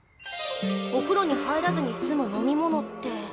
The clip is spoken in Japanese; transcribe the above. おふろに入らずに済む飲み物って。